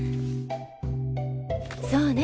そうね。